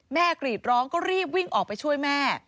กรีดร้องก็รีบวิ่งออกไปช่วยแม่